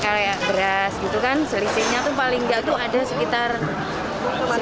ya kayak beras gitu kan selisihnya tuh paling gak tuh ada sekitar rp satu lima ratus rp dua puluh